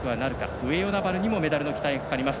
上与那原にもメダルの期待がかかります。